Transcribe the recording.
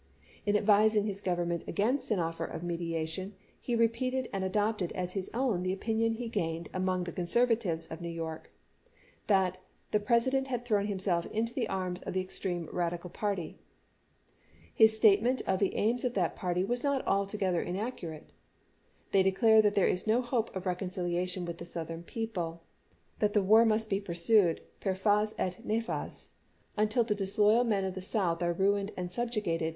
In advising his Government against an offer of mediation he repeated and adopted as his own the opinion he gained among the conservatives of New York, that " the President had thrown himself into the arms of the extreme Radical party." His state ment of the aims of that party was not altogether inaccurate :" They declare that there is no hope of reconciliation with the Southern people ; that the war must be pursued per fas et nefas until the dis MEDIATION DECLINED 87 loyal men of the South are ruined and subjugated, chap.